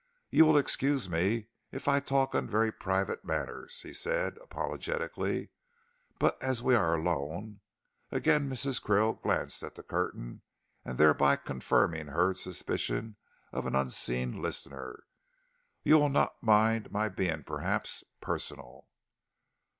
"You will excuse me if I talk on very private matters," he said, apologetically, "but as we are alone," again Mrs. Krill glanced at the curtain and thereby confirmed Hurd's suspicions of an unseen listener, "you will not mind my being, perhaps, personal."